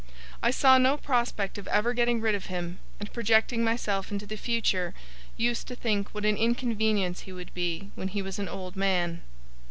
I saw no prospect of ever getting rid of him; and, projecting myself into the future, used to think what an inconvenience he would be when he was an old man.